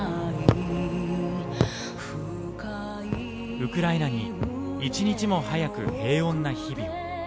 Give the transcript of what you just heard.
ウクライナに一日も早く平穏の日々を。